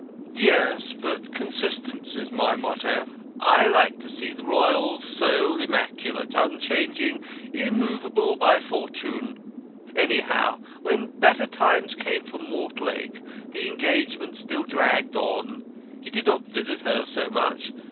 "Yes; but consistency's my motto. I like to see the royal soul immaculate, unchanging, immovable by fortune. Anyhow, when better times came for Mortlake the engagement still dragged on. He did not visit her so much.